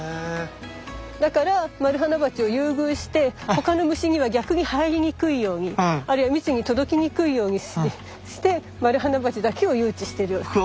だからマルハナバチを優遇して他の虫には逆に入りにくいようにあるいは蜜に届きにくいようにしてマルハナバチだけを誘致してる花が結構いっぱいあるわけ。